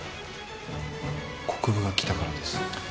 国府が来たからです。